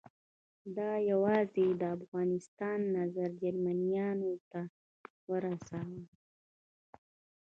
ده یوازې د افغانستان نظر جرمنیانو ته ورساوه.